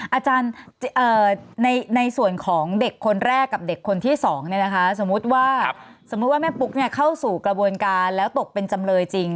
อาจารย์ในส่วนของเด็กคนแรกกับเด็กคนที่๒สมมุติว่าสมมุติว่าแม่ปุ๊กเข้าสู่กระบวนการแล้วตกเป็นจำเลยจริง